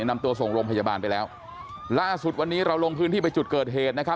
นำตัวส่งโรงพยาบาลไปแล้วล่าสุดวันนี้เราลงพื้นที่ไปจุดเกิดเหตุนะครับ